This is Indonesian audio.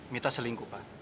mita selingkuh pak